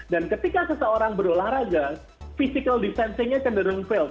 dan ketika seseorang berolahraga physical distancingnya cenderung fail